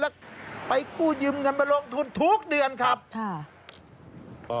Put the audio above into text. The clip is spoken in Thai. แล้วไปกู้ยืมเงินมาลงทุนทุกเดือนครับค่ะ